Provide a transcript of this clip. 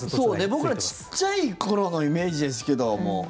僕ら、ちっちゃい頃のイメージですけども。